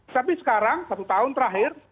tapi sekarang satu tahun terakhir